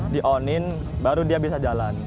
di on in baru dia bisa jalan